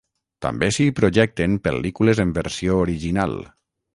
També s'hi projecten pel·lícules en versió original.